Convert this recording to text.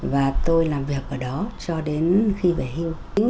và tôi làm việc ở đó cho đến khi về hưu